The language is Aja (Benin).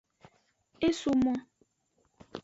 Esome.